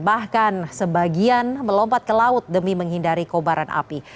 bahkan sebagian melompat ke laut demi menghindari kobaran api